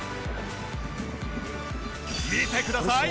見てください！